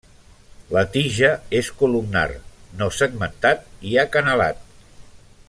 La tija és columnar, no segmentat i acanalat.